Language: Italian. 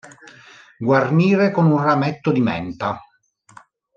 Guarnire con un rametto di menta.